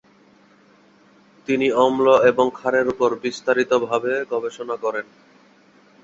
তিনি অম্ল এবং ক্ষারের ওপর বিস্তারিত ভাবে গবেষণা করেন।